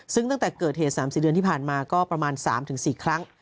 ซึ่งตั้งแต่เกิดเหตุ๓๔เดือนที่ผ่านมาก็ประมาณ๓๔ครั้ง